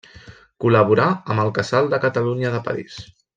Col·laborà amb el Casal de Catalunya de París.